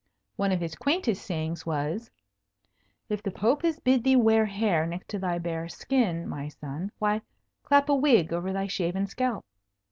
One of his quaintest sayings was, "If the Pope has bid thee wear hair next thy bare skin, my son, why, clap a wig over thy shaven scalp."